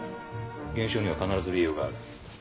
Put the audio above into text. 現象には必ず理由がある。